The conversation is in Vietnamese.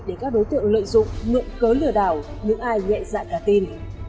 để các đối tượng lợi dụng ngưỡng cớ lừa đảo những ai nhẹ dạng gà tin